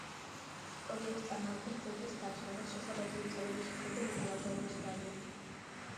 პრობლემას წარმოადგენს ძეგლის დაცვა, რაც შესაბამისი უწყებების მხრიდან უყურადღებობის ბრალია.